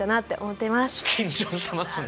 緊張してますね。